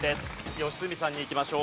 良純さんにいきましょう。